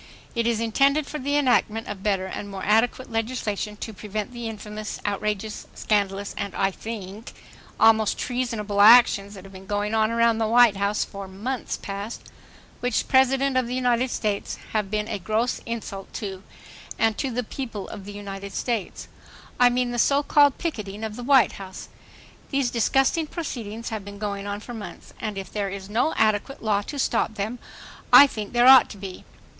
It is intended for the enactment of better and more adequate legislation to prevent the infamous, outrageous, scandalous, and, I think, almost treasonable actions that have been going on around the White House for months past, which President of the United States have been a gross insult to the and to the people of the United States; I mean the so called picketing of the White House. .. These disgusting proceedings have been going on for months, and if there is no adequate law to stop them, I think there ought to be.